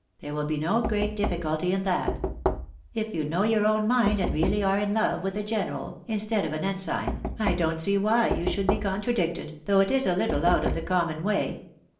.. there will be no great difficulty in that .. If you know your own mind, and really are in love with a general, instead of an ensign, I don't see why you should be contradicted, though it is a little out of the common way.